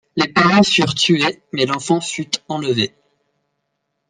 Les parents furent tués, mais l'enfant fut enlevé.